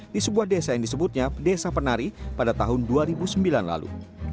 di sebuah desa yang disebutnya desa penari pada tahun dua ribu sembilan lalu